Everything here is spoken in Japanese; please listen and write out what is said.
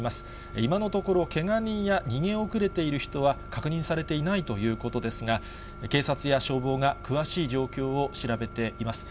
今のところ、けが人や逃げ遅れている人は確認されていないということですが、警察や消防が詳しい状況を調べています。